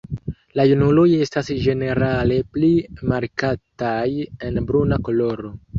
La junuloj estas ĝenerale pli markataj en bruna koloro.